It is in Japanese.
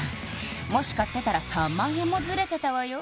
もし買ってたら３万円もズレてたわよ